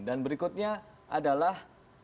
dan berikutnya adalah